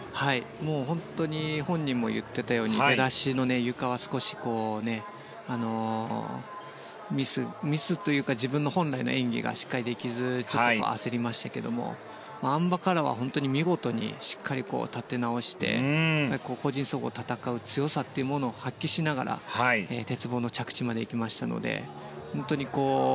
本当に本人も言っていたように出だしのゆかは少しミスというか自分の本来の演技がしっかりできずちょっと焦りましたけどもあん馬からは見事にしっかりと立て直して個人総合戦う強さというものを発揮しながら鉄棒の着地まで行きましたので。